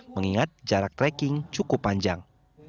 mengingat jarak trekking cukup panjang